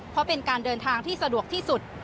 เพราะเป็นการเดินทางที่สะดวกที่สุด